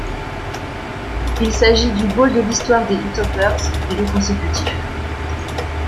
Il s'agit du bowl de l'histoire des Hilltopers et le consécutif.